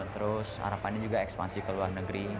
terus harapannya juga ekspansi ke luar negeri